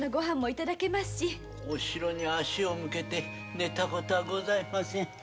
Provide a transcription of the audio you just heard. お城に足を向けて寝た事はございません。